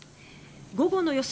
午後の予想